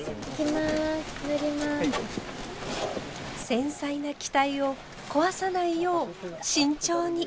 繊細な機体を壊さないよう慎重に。